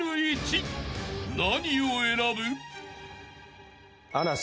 ［何を選ぶ？］